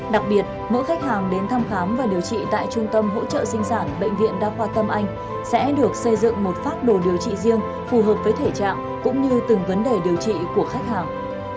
đặc biệt mỗi khách hàng đến thăm khám và điều trị tại trung tâm hỗ trợ sinh sản bệnh viện đa khoa tâm anh sẽ được xây dựng một pháp đồ điều trị riêng phù hợp với thể trạng cũng như từng vấn đề điều trị của khách hàng